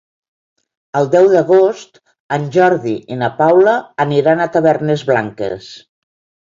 El deu d'agost en Jordi i na Paula aniran a Tavernes Blanques.